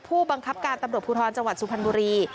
ผู้บังคับการตำรวจภูทรจังหวัดสุพรรณบุรี